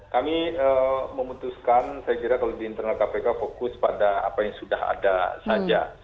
kami memutuskan saya kira kalau di internal kpk fokus pada apa yang sudah ada saja